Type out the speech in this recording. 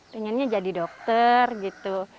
pengennya jadi dokter gitu